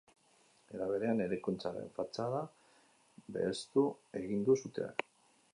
Era berean, eraikuntzaren fatxada belztu egin du suteak.